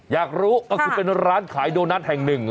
อยากรู้ก็คือเป็นร้านขายโดนัทแห่งหนึ่ง